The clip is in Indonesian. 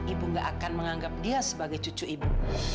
ibu gak akan menganggap dia sebagai cucu ibu